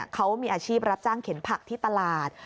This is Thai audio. เขามีอาชีพรับจ้างเข็นผักที่ตลาด